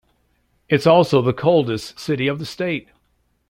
It's also the coldest city of the state.